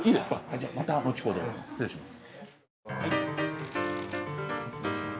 じゃあまた後ほど失礼します。